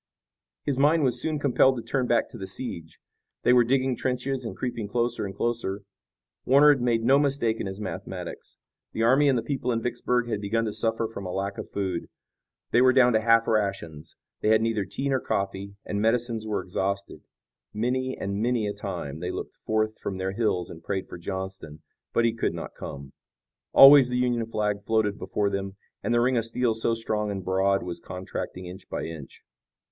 His mind was soon compelled to turn back to the siege. They were digging trenches and creeping closer and closer. Warner had made no mistake in his mathematics. The army and the people in Vicksburg had begun to suffer from a lack of food. They were down to half rations. They had neither tea nor coffee, and medicines were exhausted. Many and many a time they looked forth from their hills and prayed for Johnston, but he could not come. Always the Union flag floated before them, and the ring of steel so strong and broad was contracting inch by inch.